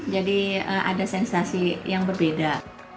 jadi ada sensasi yang berbeda